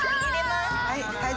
はい。